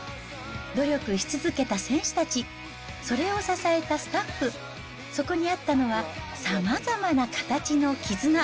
努力し続けた選手たち、それを支えたスタッフ、そこにあったのは、さまざまな形の絆。